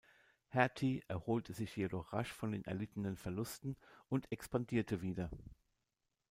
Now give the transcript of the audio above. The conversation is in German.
Hertie erholte sich jedoch rasch von den erlittenen Verlusten und expandierte wieder.